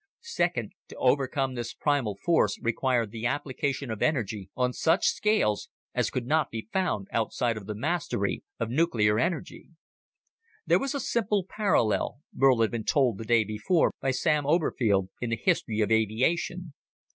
Second, to overcome this primal force required the application of energy on such scales as could not be found outside of the mastery of nuclear energy. There was a simple parallel, Burl had been told the day before by Sam Oberfield, in the history of aviation.